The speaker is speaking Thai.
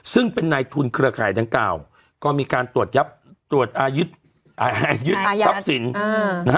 ซึ่งเป็นนายทุนเครือข่ายทั้ง๙ก็มีการตรวจยับตรวจอายุทธิ์ทรัพย์สิน